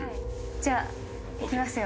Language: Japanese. じゃあいきますよ。